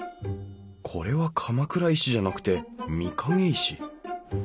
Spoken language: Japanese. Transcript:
これは鎌倉石じゃなくて御影石。